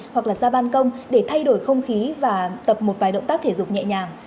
hoặc là ra ban công để thay đổi không khí và tập một vài động tác thể dục nhẹ nhàng